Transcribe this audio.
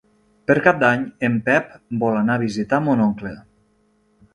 Per Cap d'Any en Pep vol anar a visitar mon oncle.